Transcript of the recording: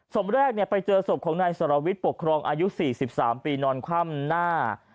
ศพแรกไปเจอศพของนายสารวิทย์ปกครองอายุ๔๓ปีนอนคว่ำหน้า